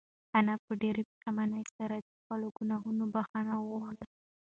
انا په ډېرې پښېمانۍ سره د خپلو گناهونو بښنه وغوښته.